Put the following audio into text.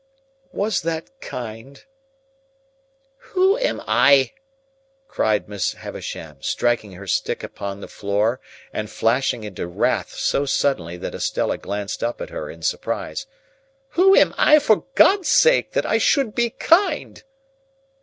"Was that kind?" "Who am I," cried Miss Havisham, striking her stick upon the floor and flashing into wrath so suddenly that Estella glanced up at her in surprise,—"who am I, for God's sake, that I should be kind?"